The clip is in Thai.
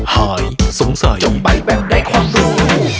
หายสงสัยไปแบบได้ความสู้